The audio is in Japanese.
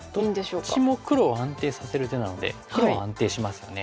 どっちも黒を安定させる手なので黒は安定しますよね。